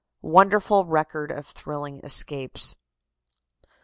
Wonderful Record of Thrilling Escapes.